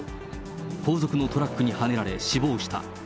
後続のトラックにはねられ、死亡した。